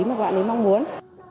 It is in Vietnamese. mà các bạn ý mong muốn